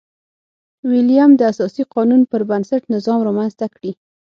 ویلیم د اساسي قانون پربنسټ نظام رامنځته کړي.